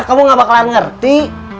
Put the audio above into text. kamu gak bakalan ngerti